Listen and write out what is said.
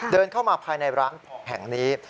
เดินเข้ามาภายในร้านแห่งนี้